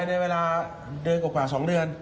พัฒนาเวลาเดียวกว่า๒เดือน